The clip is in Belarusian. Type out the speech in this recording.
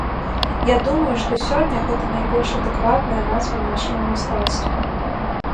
Я думаю, што сёння гэта найбольш адэкватная назва нашаму мастацтву.